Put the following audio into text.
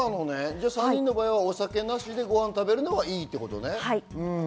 ３人の場合はお酒なしでご飯を食べるっていうことね。